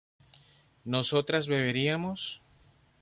¿nosotras beberíamos?